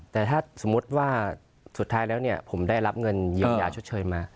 แต่ถ้าสมมุติว่าสุดท้ายแล้วเนี่ยผมได้รับเงินเยียวยาชดเชยมา